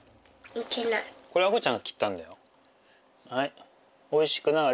これ亜瑚ちゃんが切ったんだよ。